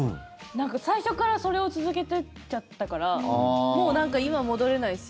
なんか最初からそれを続けてきちゃったからもうなんか今、戻れないし。